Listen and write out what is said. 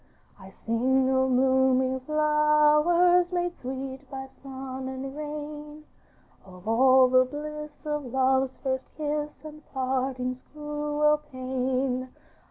'I sing of blooming flowers Made sweet by sun and rain; Of all the bliss of love's first kiss, And parting's cruel pain.